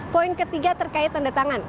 poin ketiga terkait tanda tangan